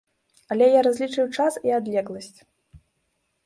Але я разлічыў час і адлегласць.